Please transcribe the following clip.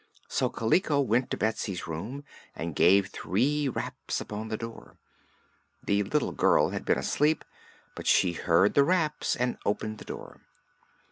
So Kaliko went to Betsy's room and gave three raps upon the door. The little girl had been asleep, but she heard the raps and opened the door.